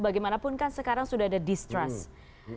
bagaimanapun kan sekarang sudah ada distrust